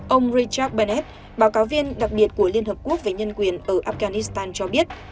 ông richard benet báo cáo viên đặc biệt của liên hợp quốc về nhân quyền ở afghanistan cho biết